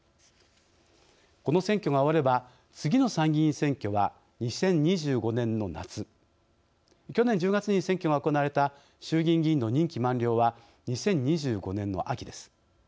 この選挙が終われば次の参議院選挙は２０２５年の夏去年１０月に選挙が行われた衆議院議員の任期満了は２０２５年の秋です。